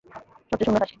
সবচেয়ে সুন্দর সঙ্গি।